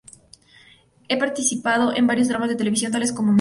Ha participado en varios dramas de televisión, tales como "Mr.